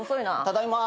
ただいま。